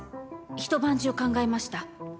一晩中、考えました。